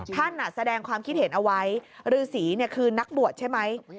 ท่านแสดงความคิดเห็นเอาไว้ฤษีคือนักบวชใช่ไหม